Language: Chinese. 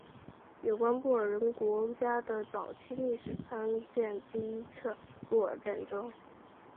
有关布尔人国家的早期历史参见第一次布尔战争。